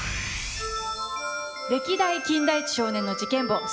歴代金田一少年の事件簿